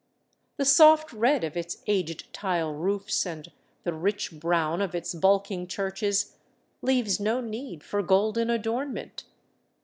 The soft red of its aged tile roofs and the rich brown of its bulking churches leaves no need for golden adornment.